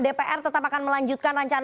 dpr tetap akan melanjutkan rancangan